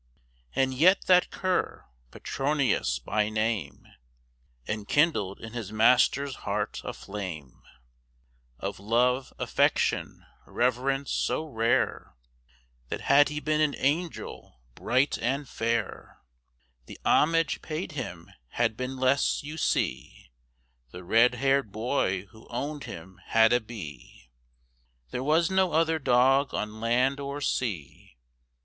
And yet that cur, Petronius by name, Enkindled in his master's heart a flame Of love, affection, reverence, so rare That had he been an angel bright and fair The homage paid him had been less; you see The red haired boy who owned him had a bee There was no other dog on land or sea.